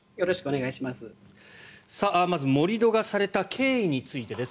まず、盛り土がされた経緯についてです。